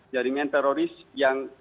jadinya teroris yang